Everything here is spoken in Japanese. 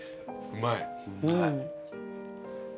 うまい。